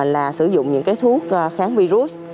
là sử dụng những thuốc kháng virus